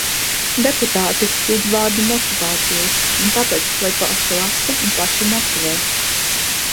Deputāti lūdz vārdu motivācijai, un tāpēc lai paši lasa un paši motivē.